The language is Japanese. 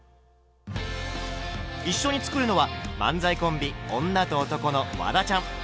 一緒に作るのは漫才コンビ「女と男」のワダちゃん。